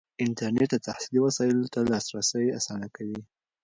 انټرنیټ د تحصیلي وسایلو ته لاسرسی اسانه کوي.